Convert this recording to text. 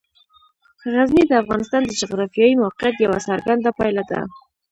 غزني د افغانستان د جغرافیایي موقیعت یوه څرګنده پایله ده.